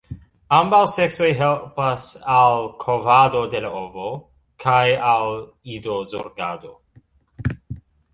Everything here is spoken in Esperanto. Ambaŭ seksoj helpas al kovado de la ovo, kaj al idozorgado.